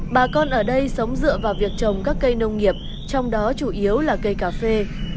bà con ở đây sống dựa vào việc trồng các cây nông nghiệp trong đó chủ yếu là cây cà phê